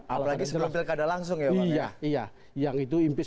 apalagi sebelum pilkada langsung ya